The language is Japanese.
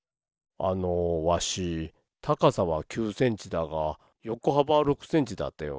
あのわしたかさは９センチだがよこはばは６センチだったような。